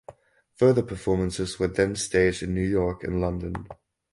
Further performances were then staged in New York and London.